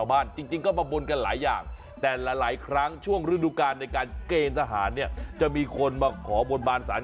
ตามนั้นจะมาแก้ผ้าวิ่งแก้บนแบบนี้